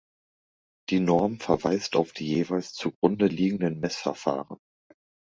Die Norm verweist auf die jeweils zugrunde liegenden Messverfahren.